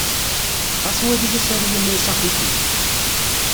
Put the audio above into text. Ɣas wali asaru-a ma iṣaḥ-ik-id.